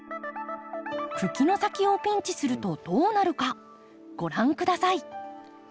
茎の先をピンチするとどうなるかご覧下さい。